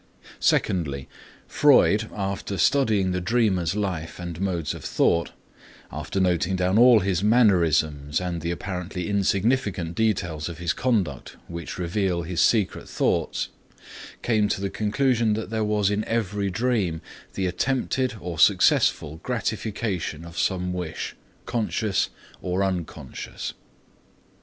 Secondly, Freud, after studying the dreamer's life and modes of thought, after noting down all his mannerisms and the apparently insignificant details of his conduct which reveal his secret thoughts, came to the conclusion that there was in every dream the attempted or successful gratification of some wish, conscious or unconscious.